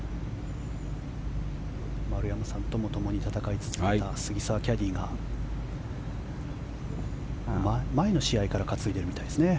丸山さんともともに戦い続けた杉澤キャディーが前の試合から担いでるみたいですね。